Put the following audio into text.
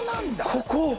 ここ。